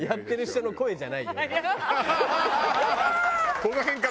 「この辺から」。